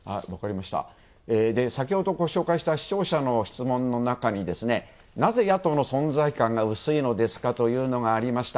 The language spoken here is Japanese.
先ほど、ご紹介した視聴者からの質問の中になぜ、野党の存在感が薄いのですか？というのがありました。